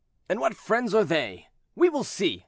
"And what friends are they? We will see!"